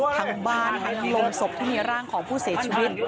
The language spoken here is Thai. ทั้งบ้านทั้งโรงศพที่มีร่างของผู้เสียชีวิต